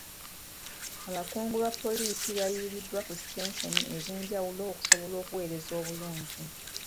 Abakungu ba poliisi bayiiriddwa ku sitenseni ez'enjawulo okusobola okuweereza obulungi.